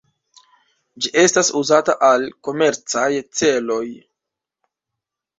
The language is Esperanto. Ĝi estas uzata al komercaj celoj.